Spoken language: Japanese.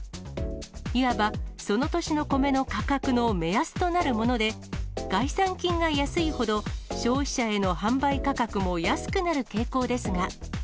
いわば、その年の米の価格の目安となるもので、概算金が安いほど消費者への販売価格も安くなる傾向ですが。